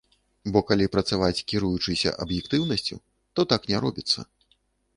Бо калі працаваць, кіруючыся аб'ектыўнасцю, то так не робіцца.